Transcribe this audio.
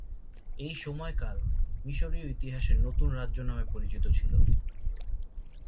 এই সময়কাল মিশরীয় ইতিহাসে নতুন রাজ্য নামে পরিচিত ছিল।